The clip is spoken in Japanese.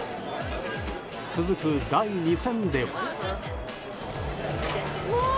続く第２戦では。